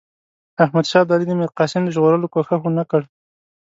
احمدشاه ابدالي د میرقاسم د ژغورلو کوښښ ونه کړ.